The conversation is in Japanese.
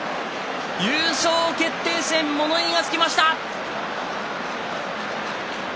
優勝決定戦、物言いがつきました。